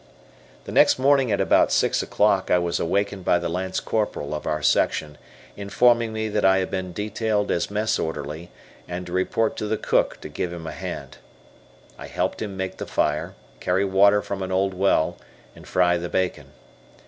The next morning at about six o'clock I was awakened by the Lance Corporal of our section, informing me that I had been detailed as mess orderly, and to report to the cook to give him a hand. I helped him make the fire, carry water from an old well, and fry the bacon.